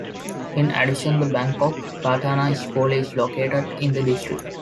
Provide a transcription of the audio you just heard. In addition the Bangkok Patana School is located in the district.